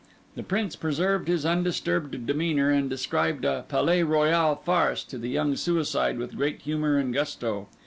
The Prince preserved his undisturbed demeanour, and described a Palais Royal farce to the young suicide with great humour and gusto.